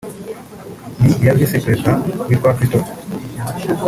ni iya visi perezida witwa Christophe